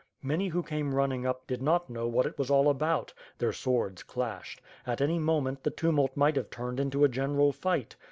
Many who came running up did not know what it was all about. Their swords clashed. At any moment, the tumult might have turned into a general fight.